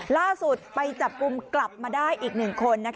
ล่าสุดไปจับกลุ่มกลับมาได้อีก๑คน